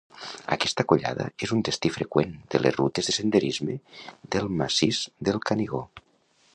Aquesta collada és un destí freqüent de les rutes de senderisme del massís del Canigó.